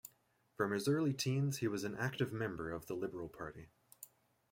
From his early teens he was an active member of the Liberal Party.